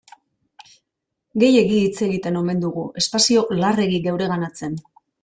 Gehiegi hitz egiten omen dugu, espazio larregi geureganatzen.